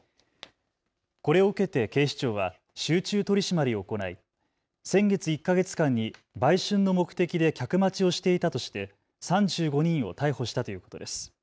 これを受けて警視庁は集中取締りを行い先月１か月間に売春の目的で客待ちをしていたとして３５人を逮捕したということです。